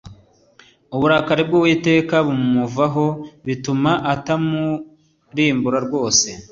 uburakari bw'uwiteka bumuvaho bituma atamurimbura rwose